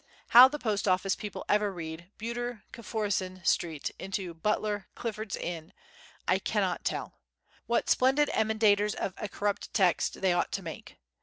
How the Post Office people ever read "Bueter, Ciforzin St." into "Butler, Clifford's Inn" I cannot tell. What splendid emendators of a corrupt text they ought to make!